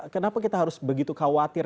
kenapa kita harus begitu khawatir